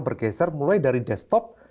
bergeser mulai dari desktop